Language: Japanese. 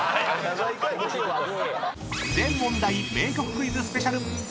［全問題名曲クイズスペシャル！］